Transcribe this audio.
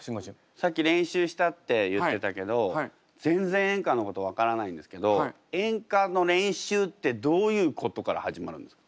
さっき練習したって言ってたけど全然演歌のこと分からないんですけど演歌の練習ってどういうことから始まるんですか？